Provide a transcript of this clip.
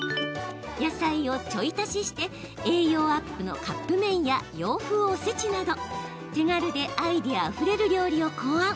野菜をちょい足しして栄養アップのカップ麺や洋風おせちなど、手軽でアイデアあふれる料理を考案。